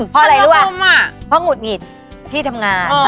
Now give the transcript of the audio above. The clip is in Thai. เพราะอะไรรู้ป่ะเพราะหงุดหงิดที่ทำงาน